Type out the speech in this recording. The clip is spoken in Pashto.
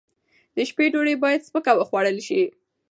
د شپې ډوډۍ باید سپکه وخوړل شي.